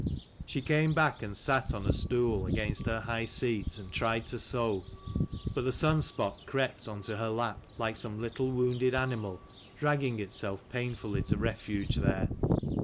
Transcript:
She came back and sat on a stool against her high seat, and tried to sew. But the sun spot crept on to her lap, like some little wounded animal, dragging itself painfully to refuge there.